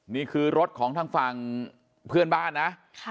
นี่คือรถของทางฝั่งเพื่อนบ้านนะ